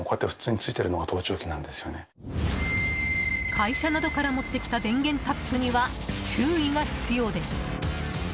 会社などから持ってきた電源タップには注意が必要です。